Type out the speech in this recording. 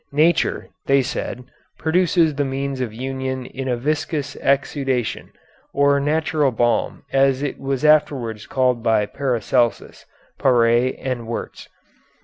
Nature, they said, produces the means of union in a viscous exudation, or natural balm, as it was afterwards called by Paracelsus, Paré, and Wurtz.